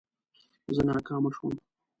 زه ناکامه شوم